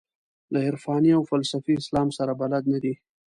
له عرفاني او فلسفي اسلام سره بلد نه دي.